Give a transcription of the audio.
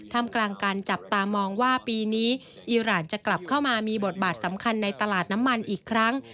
ทำกลางการจับตามองว่าปีนี้อีรานจะกลับเข้ามามีบทบาทสำคัญในตลาดน้ำมันอีกครั้ง